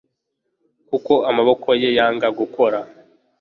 kuko amaboko ye yanga gukora